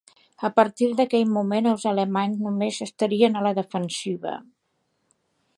A partir d'aquell moment, els alemanys només estarien a la defensiva.